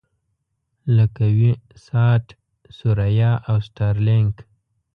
لکه وي-ساټ، ثریا او سټارلېنک.